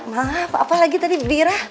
maaf apa lagi tadi bi ira